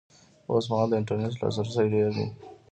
اوس مهال د انټرنېټ لاسرسی ډېر دی